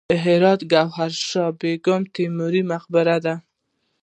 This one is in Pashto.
د هرات ګوهردش بیګم د تیموري مقبره ده